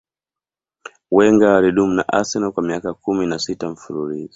wenger alidumu na arsenal kwa miaka kumi na sita mfululizo